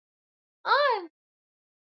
antena ya kawaida haitoshi kusambaza mawimbi hayo